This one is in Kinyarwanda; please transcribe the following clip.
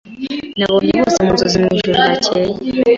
Nabonye byose mu nzozi mwijoro ryakeye.